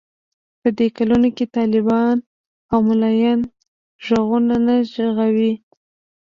په دې کلونو کې طالبان او ملايان غوږونه نه ژغوري.